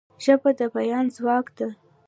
ژبه د بیان ځواک ده.